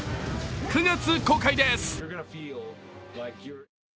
９月公開です。